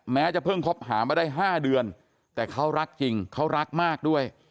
แม้จะเพิ่งคบหามาได้๕เดือนแต่เขารักจริงเขารักมากด้วย